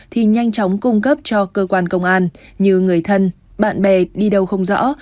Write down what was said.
thì nhanh chóng cung cấp cho cơ quan công an như người thân bạn bè đi đâu không rõ